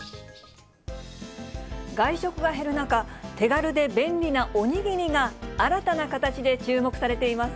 外食が減る中、手軽で便利なおにぎりが、新たな形で注目されています。